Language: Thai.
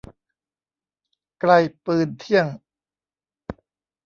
ไกลปืนเที่ยง